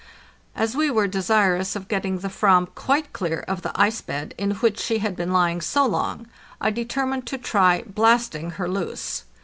As we were desirous of getting the "7am quite clear of the ice bed in which she had been lying so long, I determined to try blasting her loose.